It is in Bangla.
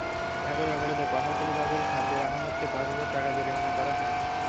একই অপরাধে পাহাড়তলী বাজারে সাব্বির আহমদকে পাঁচ হাজার টাকা জরিমানা করা হয়।